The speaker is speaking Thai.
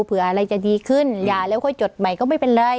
เผื่ออะไรจะดีขึ้นหย่าแล้วค่อยจดใหม่ก็ไม่เป็นไร